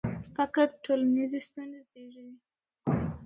فقر ټولنیزې ستونزې زیږوي.